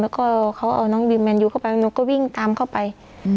แล้วก็เขาเอาน้องวิวแมนยูเข้าไปหนูก็วิ่งตามเข้าไป